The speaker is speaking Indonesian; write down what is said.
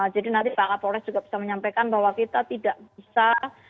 jadi nanti pak kapolres juga bisa menyampaikan bahwa kita tidak bisa